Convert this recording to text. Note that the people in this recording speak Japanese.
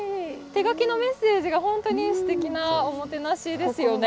手書きのメッセージが本当にすてきなおもてなしですよね。